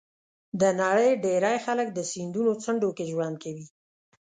د نړۍ ډېری خلک د سیندونو څنډو کې ژوند کوي.